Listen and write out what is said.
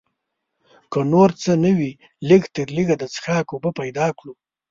که نور څه نه وي لږ تر لږه د څښاک اوبه پیدا کړو.